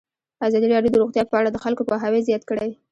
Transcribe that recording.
ازادي راډیو د روغتیا په اړه د خلکو پوهاوی زیات کړی.